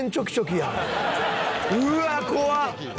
うわっ怖っ！